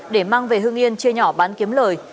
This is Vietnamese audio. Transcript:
để mang về hương yên chia nhỏ bán kiếm lời